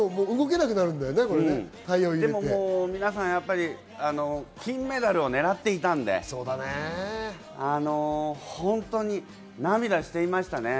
でも皆さん金メダルを狙っていたんで、涙していましたね。